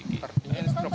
itu kan perintah apa